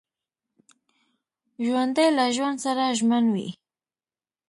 ژوندي له ژوند سره ژمن وي